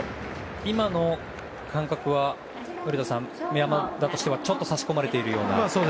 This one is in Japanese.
今の感覚は古田さん、山田としてはちょっと差し込まれたような。